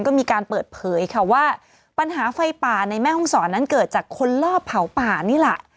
ก็มีการเปิดเผยค่ะว่าปัญหาไฟป่าในแม่ห้องศรนั้นเกิดจากคนลอบเผาป่านี่แหละ